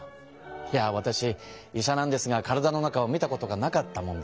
いやわたし医者なんですが体の中を見たことがなかったもんで。